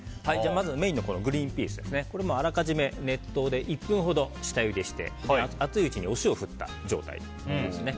まずメインのグリーンピースはあらかじめ熱湯で１分ほど下ゆでして、熱いうちにお塩を振った状態になります。